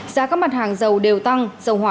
giá các mặt hàng dầu đều tăng